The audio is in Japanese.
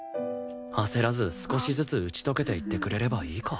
焦らず少しずつ打ち解けていってくれればいいか